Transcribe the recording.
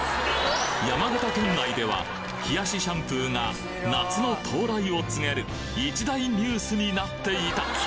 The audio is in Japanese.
山形県内では冷やしシャンプーが夏の到来を告げる一大ニュースになっていた！